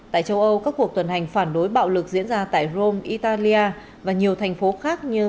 tại châu âu các cuộc tuần hành phản đối bạo lực diễn ra tại rome italia và nhiều thành phố khác như